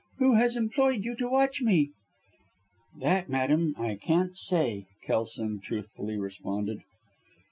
Who has employed you to watch me?" "That, madam, I can't say," Kelson truthfully responded.